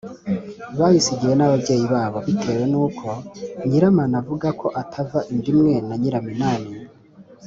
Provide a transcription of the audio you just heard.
bayisigiwe n’ababyeyi babo bitewe n’uko nyiramana avuga ko atava indaimwe na nyiraminani